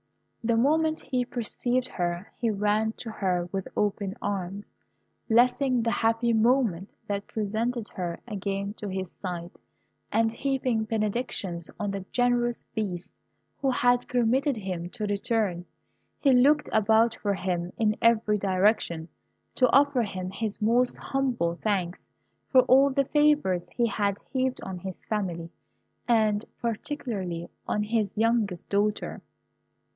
The moment he perceived her he ran to her with open arms, blessing the happy moment that presented her again to his sight, and heaping benedictions on the generous Beast who had permitted him to return; he looked about for him in every direction, to offer him his most humble thanks for all the favours he had heaped on his family, and particularly on his youngest daughter.